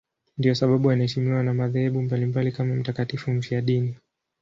Ndiyo sababu anaheshimiwa na madhehebu mbalimbali kama mtakatifu mfiadini.